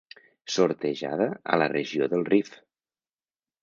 Sortejada a la regió del Rif.